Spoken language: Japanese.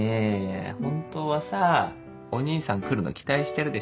本当はさお義兄さん来るの期待してるでしょ？